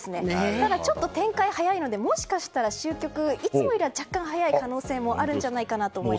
ただ、ちょっと展開が早いのでもしかしたら終局がいつもより若干早い可能性もあるんじゃないかなと思います。